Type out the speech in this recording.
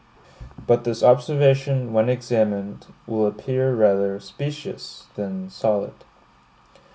But this observation, when examined, will appear rather specious than solid.